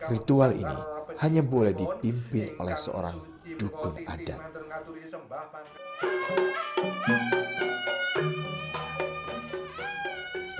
ritual ini hanya boleh dipimpin oleh seorang dukun adat